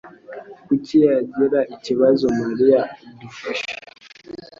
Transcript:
Kuki yagira ikibazo Mariya adufasha?